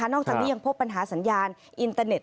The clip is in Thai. จากนี้ยังพบปัญหาสัญญาณอินเตอร์เน็ต